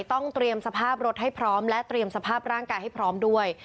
ต้องเตรียมสภาพรถให้พร้อมและเตรียมสภาพร่างกายให้พร้อมด้วย